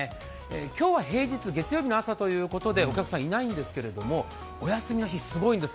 今日は平日、月曜日の朝ということで、お客さんいないんですけれどもお休みの日、すごいんです。